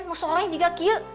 seolah juga kiu